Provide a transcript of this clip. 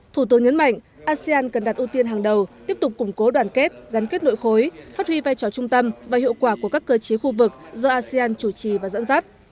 thủ tướng nhấn mạnh asean cần đặt ưu tiên hàng đầu tiếp tục củng cố đoàn kết gắn kết nội khối phát huy vai trò trung tâm và hiệu quả của các cơ chế khu vực do asean chủ trì và dẫn dắt